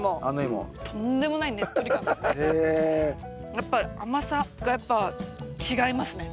やっぱり甘さがやっぱ違いますね全然。